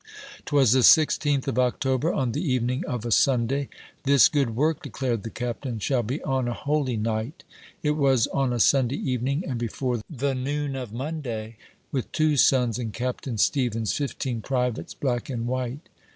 " T was the sixteenth of October, on the evening of a Sunday —" This good work," declared the Captain, " shall be on a holy night !" It was on a Sunday evening, and before the noon of Monday, With two sons, aud Captain Stevens, fifteen privates — black and white — 66 JOHN BROWN'S 1NVAS10K.